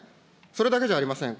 それだけじゃありません。